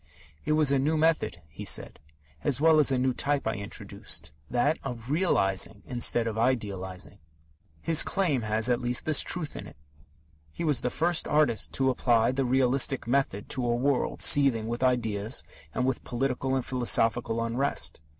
"It was a new method," he said, "as well as a new type I introduced that of Realizing instead of Idealizing." His claim has, at least, this truth in it: he was the first artist to apply the realistic method to a world seething with ideas and with political and philosophical unrest.